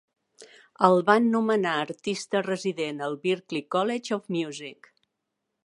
El van nomenar artista resident al Berklee College of Music.